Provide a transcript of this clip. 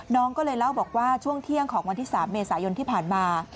น้องก็เลยเล่าบอกว่าช่วงเที่ยงของวันที่๓เมษายนที่ผ่านมา